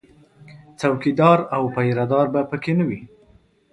څوکیدار او پیره دار به په کې نه وي